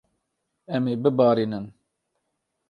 Em ê bibarînin.